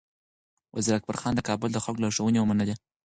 وزیر اکبر خان د کابل د خلکو لارښوونې ومنلې.